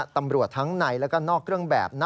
ตำรวจทั้งในและก็นอกเครื่องแบบ